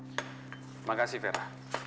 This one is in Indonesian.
terima kasih vera